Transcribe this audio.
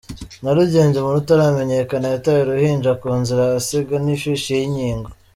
Nyarugenge: Umuntu utaramenyekana yataye uruhinja ku nzira ahasiga n’ ifishi y’ inkigo .